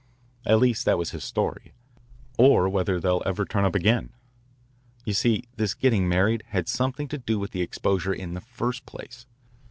At least that was his story. No one knows where they are or whether they'll ever turn up again. "You see, this getting married had something to do with the exposure in the first place.